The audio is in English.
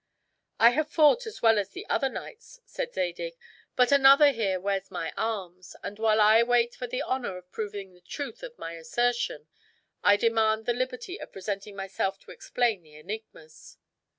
"I have fought as well as the other knights," said Zadig, "but another here wears my arms; and while I wait for the honor of proving the truth of my assertion, I demand the liberty of presenting myself to explain the enigmas."